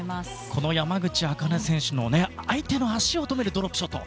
この山口茜選手の相手の足を止めるドロップショット